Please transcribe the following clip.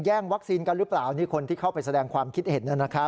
แย่งวัคซีนกันหรือเปล่าที่คนที่เข้าไปแสดงความคิดเหตุนั้นนะครับ